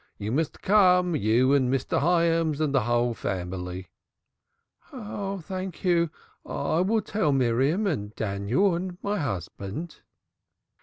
You must come, you and Mr. Hyams and the whole family." "Thank you. I will tell Miriam and Daniel and my husband."